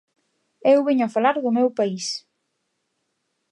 Eu veño a falar do meu país.